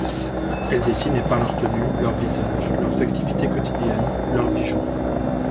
Elle dessine et peint leurs tenues, leurs visages, leurs activités quotidiennes, leurs bijoux.